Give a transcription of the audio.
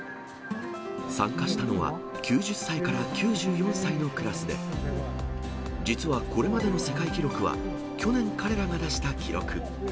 参加したのは、９０歳から９４歳のクラスで、実はこれまでの世界記録は、去年彼らが出した記録。